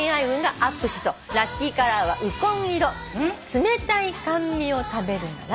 「冷たい甘味を食べるなら」？